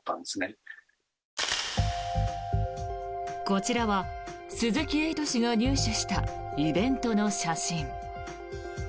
こちらは鈴木エイト氏が入手したイベントの写真。